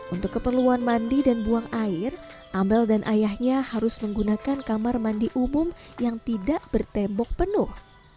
untuk keperluan mandi dan buang air amel dan ayahnya harus menggunakan kamar mandi umum yang tidak bertembok penuh